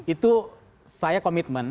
itu saya komitmen